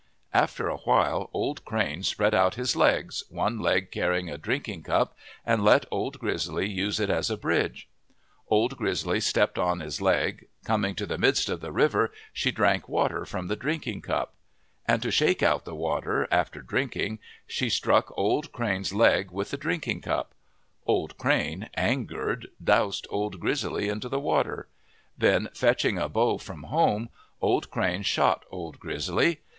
After a while Old Crane spread out his legs, one leg carrying a drinking cup, and let Old Grizzly use it as a bridge. Old Grizzly stepped on his leg. Coming to the midst of the river, she drank water from the drinking cup. And to shake out the water, after drinking, she struck Old Crane's leg with the drinking cup. Old Crane, angered, doused Old Grizzly into the water. Then fetching a bow from home, Old Crane shot Old Grizzly.